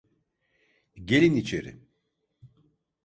Gelin içeri.